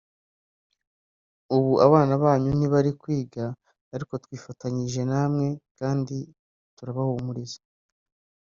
ubu abana banyu ntibari kwiga ariko twifatanije namwe kandi turabahumuriza”